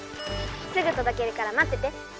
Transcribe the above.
すぐとどけるから待ってて。